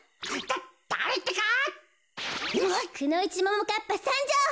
くのいちももかっぱさんじょう！